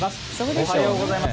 おはようございます。